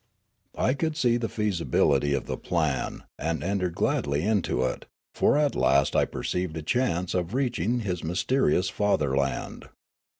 I could see the feasibility of the plan, and entered gladly into it, for at last I perceived a chance of S^S Riallaro reaching his m3'sterious fatherland.